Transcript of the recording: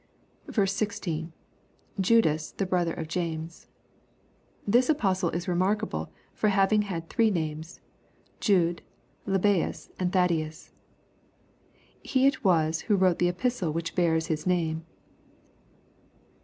i6, ^[Judas the brother of James.] This apostle is remarkable for having had three names, Jude, Lebbaeus, and Thaddaeus. He it was who wrote tlie epistle which bears his name.